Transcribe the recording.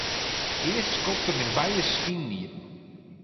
Earst skopt er myn beide skinen iepen.